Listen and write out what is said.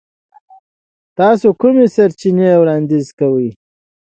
تاسو کومې سرچینې وړاندیز کوئ؟